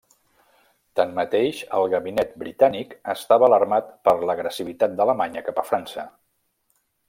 Tanmateix, el gabinet britànic estava alarmat per l'agressivitat d'Alemanya cap a França.